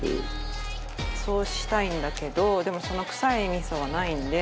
そうしたいんだけどでもその臭い味噌がないんで。